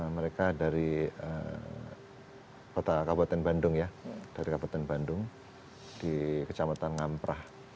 mereka dari kabupaten bandung ya dari kabupaten bandung di kecamatan ngam prah